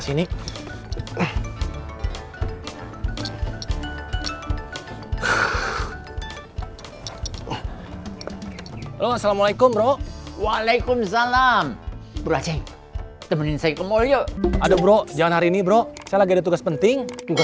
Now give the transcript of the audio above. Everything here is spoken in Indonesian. strawberry aja dua duanya